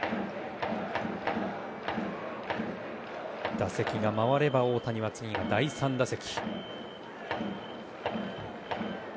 打席が回れば大谷は次が第３打席。